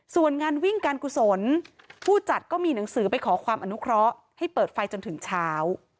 ส่วนงานวิ่งการกุศลผู้จัดก็มีหนังสือไปขอความอนุเคราะห์ให้เปิดไฟจนถึงเช้า